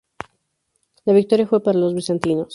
La victoria fue para los bizantinos.